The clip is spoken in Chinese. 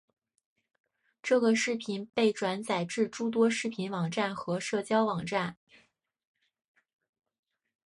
这个视频被转载至诸多视频网站和社交网站。